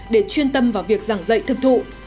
để chuyên tâm vào việc giảng dạy thực thụ